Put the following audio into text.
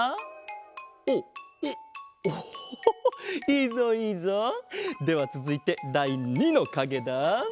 いいぞいいぞ。ではつづいてだい２のかげだ。